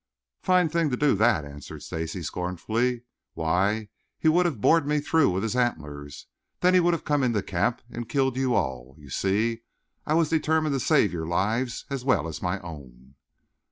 "Fine thing to do, that," answered Stacy scornfully. "Why, he would have bored me through with his antlers; then he would have come into camp and killed you all. You see, I was determined to save your lives as well as my own."